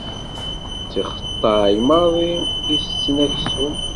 D tixeṭṭay maḍi i tetten aksum.